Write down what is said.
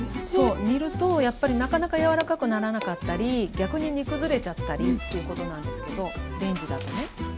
そう煮るとやっぱりなかなか柔らかくならなかったり逆に煮崩れちゃったりということなんですけどレンジだとね。